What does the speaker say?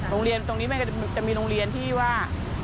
ตรงนี้จะมีโรงเรียนที่ว่า